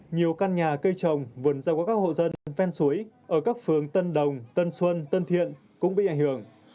nhiều căn nhà cây trồng vườn rau của các hộ dân ven suối ở các phường tân đồng tân xuân tân thiện cũng bị ảnh hưởng